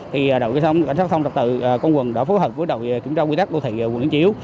thì đội cảnh sát thông trật tự công quận đã phối hợp với đội kiểm tra quy tắc đô thị quận liên chiếu